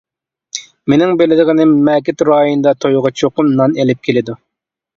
مېنىڭ بىلىدىغىنىم مەكىت رايونىدا تويغا چوقۇم نان ئېلىپ كېلىدۇ.